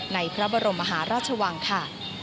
พระบรมมหาราชวังค่ะ